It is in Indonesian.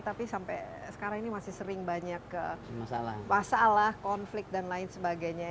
tapi sampai sekarang ini masih sering banyak masalah konflik dan lain sebagainya